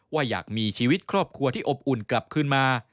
ว่าอยากมีชีวิตครอบครัวที่อบอุ่นกลับขึ้นมา